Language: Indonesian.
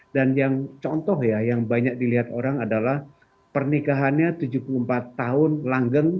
dan yang contoh ya yang banyak dilihat orang adalah pernikahannya tujuh puluh empat tahun langgeng